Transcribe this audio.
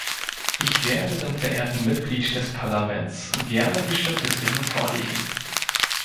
Ich werde dem verehrten Mitglied des Parlaments gerne die Statistiken vorlegen.